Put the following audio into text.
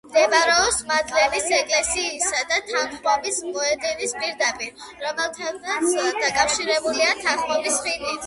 მდებარეობს მადლენის ეკლესიისა და თანხმობის მოედნის პირდაპირ, რომლებთანაც დაკავშირებულია თანხმობის ხიდით.